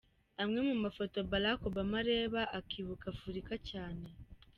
Amwe mu mafoto Balack Obama areba akibuka afurika cyane.